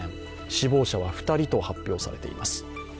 死亡者は２人と発表されています。